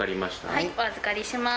はいお預かりします。